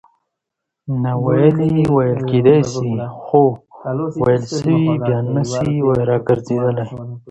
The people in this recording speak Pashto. ناویلي ویل کېدای سي؛ خو ویل سوي بیا نه سي راګرځېدلای.